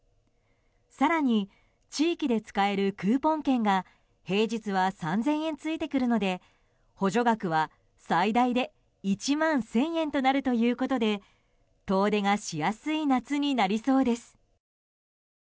更に、地域で使えるクーポン券が平日は３０００円ついてくるので補助額は最大で１万１０００円となるということで遠出がしやすい夏になりそうです。